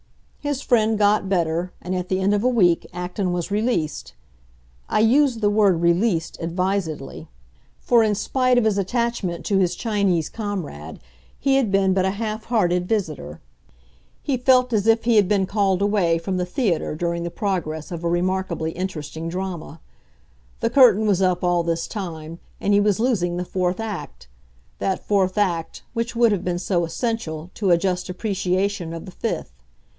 His friend got better, and at the end of a week Acton was released. I use the word "released" advisedly; for in spite of his attachment to his Chinese comrade he had been but a half hearted visitor. He felt as if he had been called away from the theatre during the progress of a remarkably interesting drama. The curtain was up all this time, and he was losing the fourth act; that fourth act which would have been so essential to a just appreciation of the fifth.